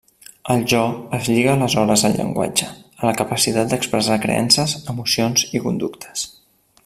El jo es lliga aleshores al llenguatge, a la capacitat d'expressar creences, emocions i conductes.